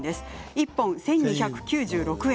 １本１２９６円。